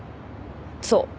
そう。